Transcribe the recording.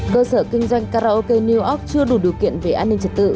cơ sở kinh doanh karaoke new orp chưa đủ điều kiện về an ninh trật tự